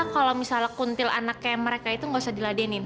kalau misalnya kuntil anak kayak mereka itu gak usah diladenin